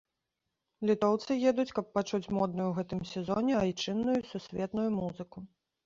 Літоўцы едуць, каб пачуць модную ў гэтым сезоне айчынную і сусветную музыку.